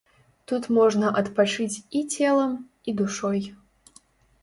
Тут можна адпачыць і целам, і душой.